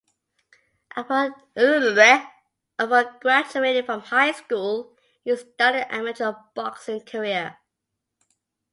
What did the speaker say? Upon graduating from high school, he started an amateur boxing career.